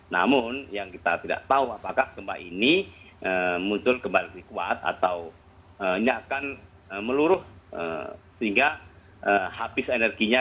namun yang kita tidak tahu apakah gempa ini muncul kembali kuat atau ini akan meluruh sehingga habis energinya